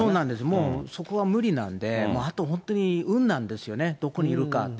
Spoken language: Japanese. もうそこは無理なんで、あと、本当に運なんですよね、どこにいるかって。